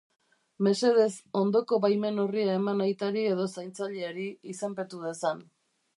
Mesedez, ondoko baimen-orria eman aitari edo zaintzaileari, izenpetu dezan.